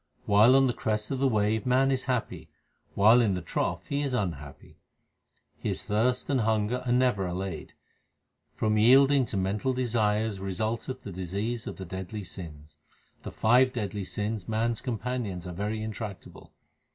While on the crest of the wave man is happy ; while in the trough he is unhappy. His thirst and hunger are never allayed. From yielding to mental desires resulteth the disease of the deadly sins. The five deadly sins man s companions are very intract able.